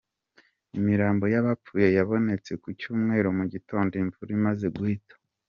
Imirambo y'abapfuye yabonetse ku Cyumweru mu gitondo imvura imaze guhita.